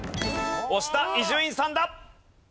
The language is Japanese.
押した伊集院さんだ。